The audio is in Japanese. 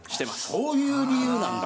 そういう理由なんだ。